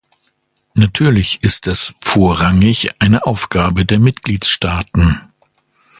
Natürlich ist das vorrangig eine Aufgabe der Mitgliedstaaten.